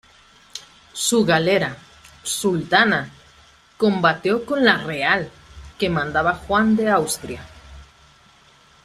Su galera, "Sultana", combatió con "La Real" que mandaba Juan de Austria.